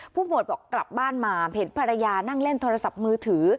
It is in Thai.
ผู้ป่วยบอกกลับบ้านมาเห็นภรรยานั่งเล่นโทรศัพท์มือถือ